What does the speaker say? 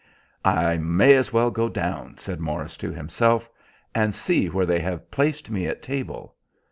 "I may as well go down," said Morris to himself, "and see where they have placed me at table.